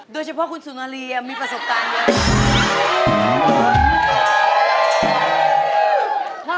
โดยเฉพาะคุณสุนารีมีประสบการณ์เยอะ